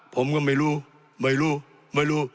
ผมก็ไม่รู้ไม่รู้ไม่รู้